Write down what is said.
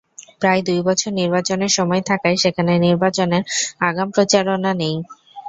প্রায় দুই বছর নির্বাচনের সময় থাকায় সেখানে নির্বাচনের আগাম প্রচারণা নেই।